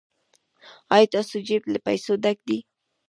ایا ستاسو جیب له پیسو ډک دی؟